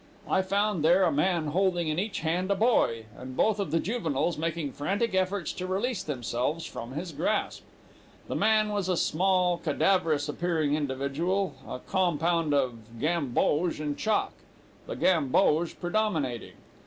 I found there a man, holding with each hand a boy, and both of the juveniles making frantic efforts to release themselves from his grasp. The man was a small, cadaverous appearing individual, a compound of gamboge and chalk, the gamboge predominating.